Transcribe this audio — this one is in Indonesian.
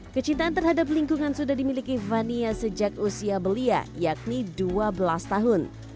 kecintaan terhadap lingkungan sudah dimiliki fania sejak usia belia yakni dua belas tahun